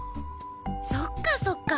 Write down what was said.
そっかそっか。